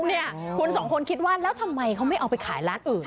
เนี่ยคุณสองคนคิดว่าแล้วทำไมเขาไม่เอาไปขายร้านอื่น